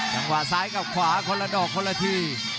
จังหวะซ้ายกับขวาคนละดอกคนละที